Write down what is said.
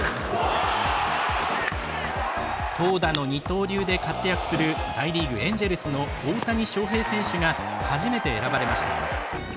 投打の二刀流で活躍する大リーグ、エンジェルスの大谷翔平選手が初めて選ばれました。